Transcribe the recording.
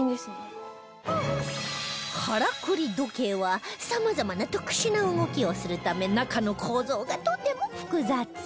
からくり時計はさまざまな特殊な動きをするため中の構造がとても複雑